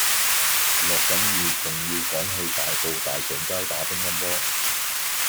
落緊雨仲要趕住去大埔大順街打乒乓波